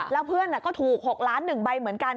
แล้วเพื่อนก็ถูก๖ล้าน๑ใบเหมือนกัน